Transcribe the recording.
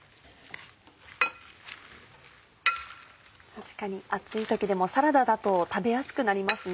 確かに暑い時でもサラダだと食べやすくなりますね。